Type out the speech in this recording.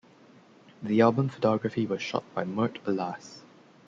The album photography was shot by Mert Alas.